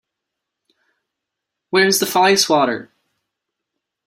Where is the fly swatter?